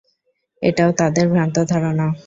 এটাও তাদের ভ্রান্ত ধারণা।